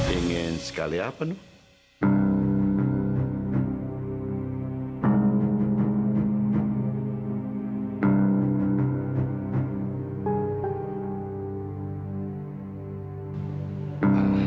ingin sekali apa nuh